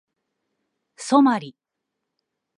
ソマリ